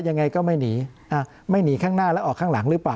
ยังไงก็ไม่หนีไม่หนีข้างหน้าแล้วออกข้างหลังหรือเปล่า